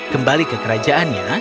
kembali ke kerajaannya